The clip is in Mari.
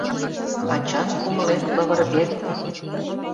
Ачан кумылет лывыргет -